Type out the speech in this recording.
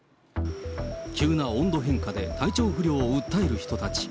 急な温度変化で体調不良を訴える人たち。